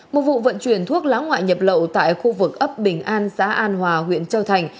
một vụ vận chuyển thuốc lá ngoại nhập lậu tại khu vực ấp bình an xã an hòa huyện châu thành